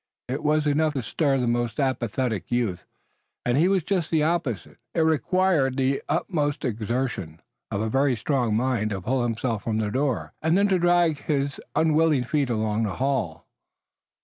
It was enough to stir the most apathetic youth, and he was just the opposite. It required the utmost exertion of a very strong mind to pull himself from the door and then to drag his unwilling feet along the hall.